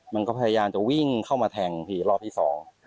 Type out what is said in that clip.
มันก็พยายามจะวิ่งเข้ามาแทงพี่รอบที่สอง